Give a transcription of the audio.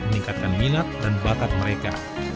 meningkatkan minat dan bakat mereka